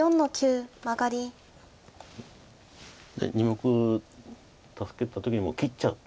２目助けた時にもう切っちゃう。